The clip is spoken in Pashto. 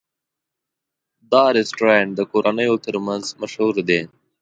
دا رستورانت د کورنیو تر منځ مشهور دی.